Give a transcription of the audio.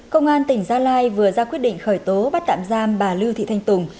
công an tỉnh gia lai vừa ra quyết định khởi tố bắt tạm giam bà lưu thị thanh tùng